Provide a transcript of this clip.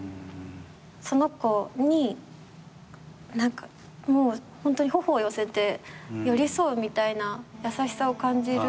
その子にホントに頬を寄せて寄り添うみたいな優しさを感じる。